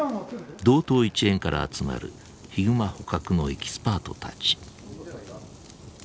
道東一円から集まるヒグマ捕獲のエキスパートたち。